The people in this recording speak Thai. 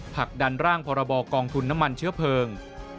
ผลักดันร่างพรบกองทุนน้ำมันเชื้อเพลิง